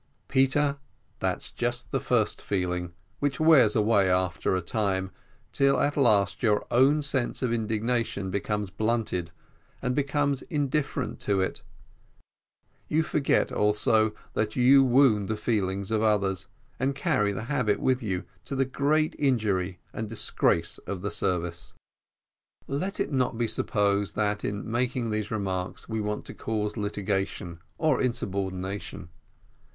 "Peter, that's just the first feeling, which wears away after a time, till at last, your own sense of indignation becomes blunted, and becomes indifferent to it; you forget, also, that you wound the feelings of others, and carry the habit with, you, to the great injury and disgrace of the service." Let it not be supposed that in making these remarks we want to cause litigation, or insubordination.